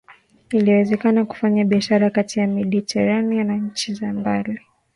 iliwezekana kufanya biashara kati ya Mediteranea na nchi za mbali